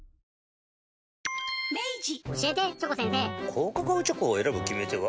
高カカオチョコを選ぶ決め手は？